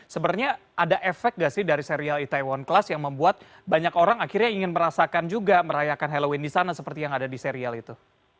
sebenarnya ada efek gak sih dari serial itaewon class yang membuat banyak orang akhirnya ingin merasakan juga merayakan halloween di sana seperti yang ada di serial itu